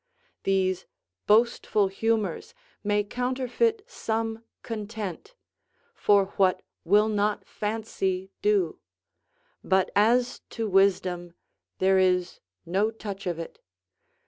These boastful humours may counterfeit some content, for what will not fancy do? But as to wisdom, there is no touch of it.